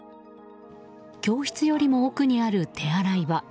教室よりも奥にある手洗い場。